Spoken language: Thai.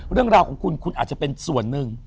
เรื่องราวของคุณคุณอาจจะเป็นส่วนหนึ่ง